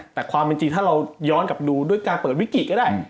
แต่ความเป็นจริงถ้าเราย้อนกลับดูด้วยการเปิดวิกฤตก็ได้